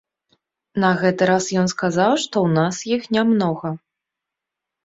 На гэты раз ён сказаў, што ў нас іх не многа.